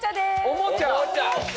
おもちゃ。